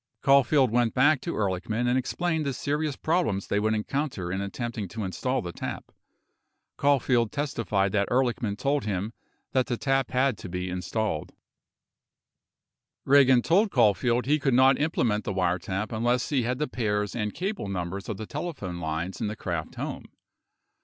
Caulfield went back to Ehrlichman and explained the serious problems they would encounter in attempting to install the tap. Caulfield testified that Ehrlichman told him that the tap had to be installed. 18 Ragan told Caulfield he could not implement the wiretap unless he had the pairs and cable numbers of the telephone lines in the Kraft home.